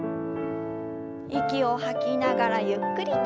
息を吐きながらゆっくりと。